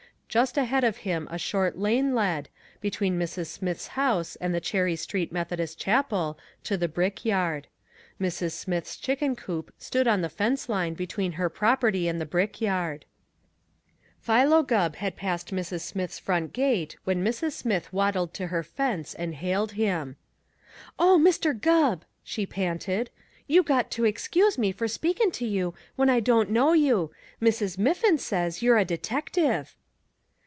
Just ahead of him a short lane led, between Mrs. Smith's house and the Cherry Street Methodist Chapel, to the brick yard. Mrs. Smith's chicken coop stood on the fence line between her property and the brick yard! [Illustration: "DETECKATING IS MY AIM AND MY PROFESSION"] Philo Gubb had passed Mrs. Smith's front gate when Mrs. Smith waddled to her fence and hailed him. "Oh, Mr. Gubb!" she panted. "You got to excuse me for speakin' to you when I don't know you. Mrs. Miffin says you're a detective."